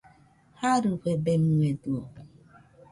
Jarɨfebemɨedɨo